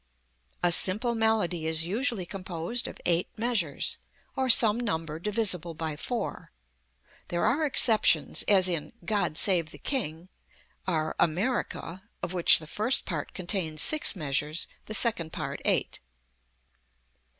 A simple melody is usually composed of eight measures, or some number divisible by four. There are exceptions, as in "God Save the King," our "America," of which the first part contains six measures, the second part eight.